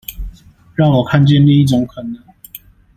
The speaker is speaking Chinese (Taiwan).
讓我看見另一種可能